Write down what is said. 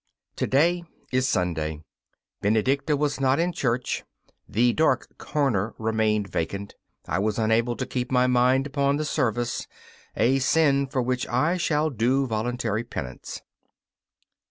To day is Sunday. Benedicta was not in church 'the dark corner' remained vacant. I was unable to keep my mind upon the service, a sin for which I shall do voluntary penance.